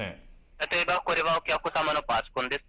例えばこれはお客様のパソコンです。